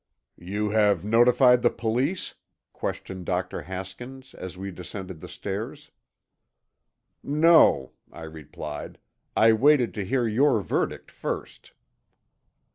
"You have notified the police?" questioned Dr. Haskins as we descended the stairs. "No," I replied. "I waited to hear your verdict first."